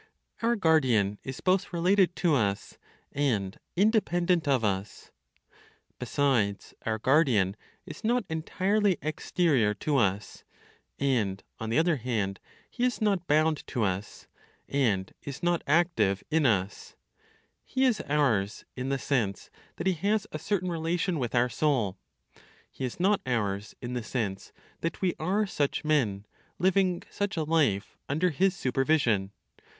OUR GUARDIAN IS BOTH RELATED TO US, AND INDEPENDENT OF US. Besides, our guardian is not entirely exterior to us; and, on the other hand, he is not bound to us, and is not active in us; he is ours, in the sense that he has a certain relation with our soul; he is not ours, in the sense that we are such men, living such a life under his supervision.